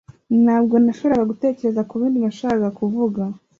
Ntabwo nashoboraga gutekereza kubindi nashakaga kuvuga.